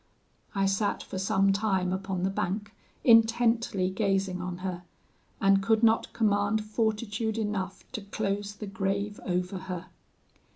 I sat for some time upon the bank intently gazing on her, and could not command fortitude enough to close the grave over her.